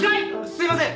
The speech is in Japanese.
すいません。